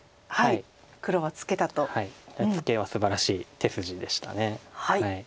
ツケはすばらしい手筋でした。